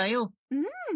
うん。